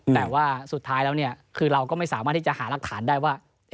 แต่ว่าสุดท้ายแล้วเนี่ยคือเราก็ไม่สามารถที่จะหารักฐานได้ว่า